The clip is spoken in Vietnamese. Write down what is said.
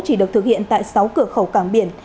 chỉ được thực hiện tại sáu cửa khẩu cảng biển